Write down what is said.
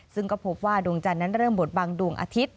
ซึ่งก็พบว่าดวงจันทร์นั้นเริ่มบดบังดวงอาทิตย